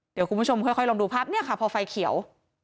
เดี๋ยวคุณผู้ชมค่อยลองดูภาพเนี่ยค่ะพอไฟเขียว